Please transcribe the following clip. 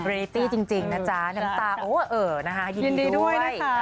เรตตี้จริงนะจ๊ะน้ำชาโอ๊ยนะฮะยินดีด้วย